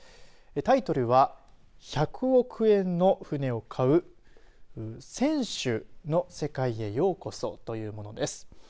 タイトルは１００億円の船を買う船主の世界へようこそというものです。